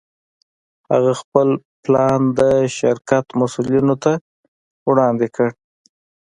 هغه خپل پلان د شرکت مسوولينو ته وړاندې کړ.